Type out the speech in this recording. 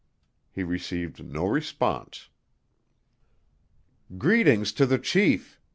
He received no response. "Greetings to the chief.